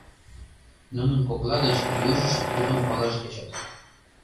Нунын кокла гыч южышт тудым палаш тӧчат.